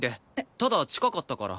ただ近かったから。